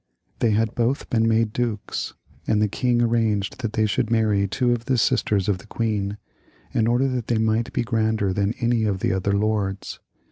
They had both been made dukes, and the king arranged that they should marry two of the sisters of the queen, in order that they might be grander than any of the other lords.